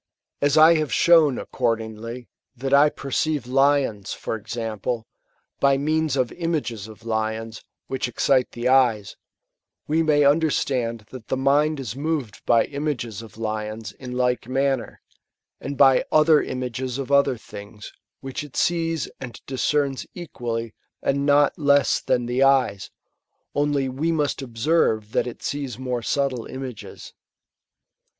As I have shown, accordingly, that I perceive Uont, for example,' by means of images of lions, which excite the eyes ; we may nn> derstand that the mind is moved by images of lions in like manner, and by other images of oAer things,* which it sees mid diteerTU equally and not less than the eyes ; only we must observe that it Bees more subtle images.